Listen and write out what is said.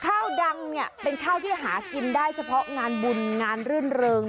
ข้าวดังเป็นข้าวที่หากินได้เฉพาะงานบุญงานรื่นเริง